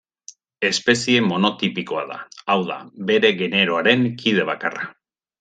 Espezie monotipikoa da, hau da, bere generoaren kide bakarra.